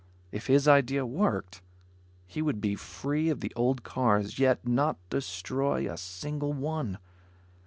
If his idea worked, he would be free of the old cars, yet not destroy a single one.